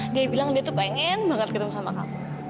dia bilang dia tuh pengen banget ketemu sama kamu